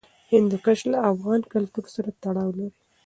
هندوکش له افغان کلتور سره تړاو لري.